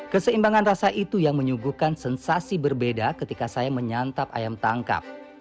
keseimbangan rasa itu yang menyuguhkan sensasi berbeda ketika saya menyantap ayam tangkap